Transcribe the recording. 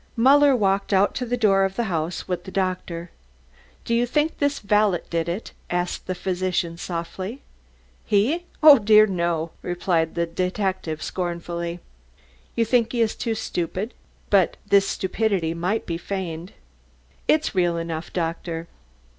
Muller walked out to the door of the house with the doctor. "Do you think this valet did it?" asked the physician softly. "He? Oh, dear, no," replied the detective scornfully. "You think he's too stupid? But this stupidity might be feigned." "It's real enough, doctor."